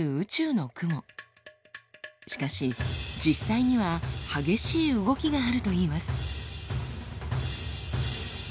しかし実際には激しい動きがあるといいます。